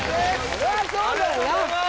そりゃそうだよな